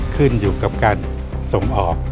ขึ้นอยู่กับการส่งออก